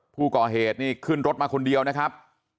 ผู้ก่อเหตุนี่ขึ้นรถมาคนเดียวนะครับ